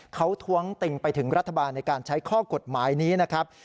เขาท้วงติงไปถึงรัฐบาลในการใช้ข้อกฎหมายนี้นะครับ